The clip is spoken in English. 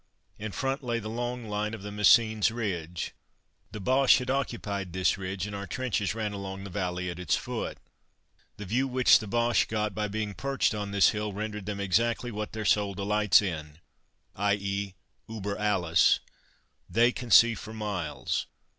In front lay the long line of the Messines ridge. The Boches had occupied this ridge, and our trenches ran along the valley at its foot. The view which the Boches got by being perched on this hill rendered them exactly what their soul delights in, i.e., "uber alles." They can see for miles.